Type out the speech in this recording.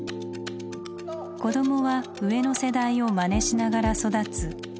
「子どもは上の世代をまねしながら育つ」